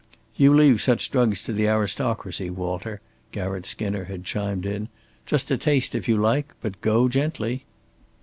"You leave such drugs to the aristocracy, Walter," Garratt Skinner had chimed in. "Just a taste if you like. But go gently."